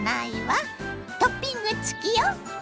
トッピング付きよ！